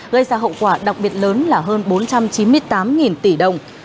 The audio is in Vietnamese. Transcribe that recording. gây ra hậu quả đặc biệt lớn là hơn bốn trăm chín mươi tám tỷ đồng